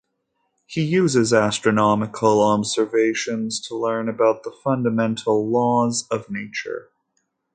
He uses astronomical observations to learn about the fundamental laws of nature.